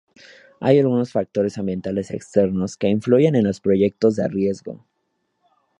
Hay algunos factores ambientales externos que influyen en los proyectos de riego.